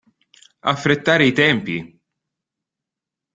Affrettare i tempi!